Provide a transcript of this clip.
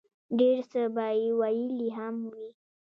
ډېر څۀ به ئې ويلي هم وي